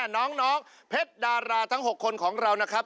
น้องเพชรดาราทั้ง๖คนของเรานะครับ